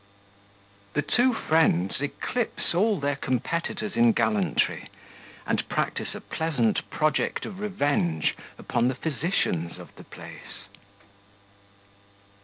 The two Friends eclipse all their Competitors in Gallantry, and practise a pleasant Project of Revenge upon the Physicians of the Place.